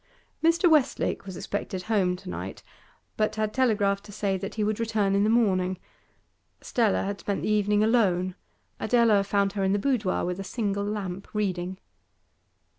Mr. Westlake was expected home to night, but had telegraphed to say that he would return in the morning. Stella had spent the evening alone; Adela found her in the boudoir with a single lamp, reading.